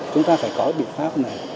chúng ta phải có biện pháp này